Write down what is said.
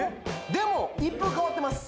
でも一風変わってます